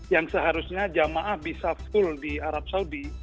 yang seharusnya jamaah bisa full di arab saudi